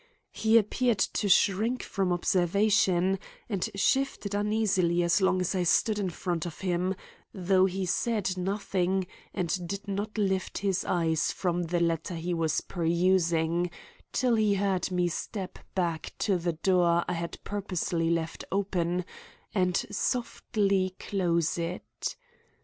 He appeared to shrink from observation, and shifted uneasily as long as I stood in front of him, though he said nothing and did not lift his eyes from the letter he was perusing till he heard me step back to the door I had purposely left open and softly close it.